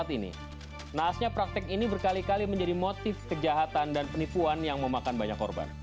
nahasnya praktek ini berkali kali menjadi motif kejahatan dan penipuan yang memakan banyak korban